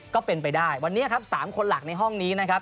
ก็เป็นไปได้วันนี้ครับ๓คนหลักในห้องนี้นะครับ